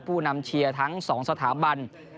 ผู้นำเชียร์ทั้ง๒สถาบัน